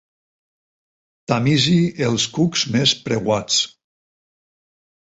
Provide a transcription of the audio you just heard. Tamisi els cucs més preuats.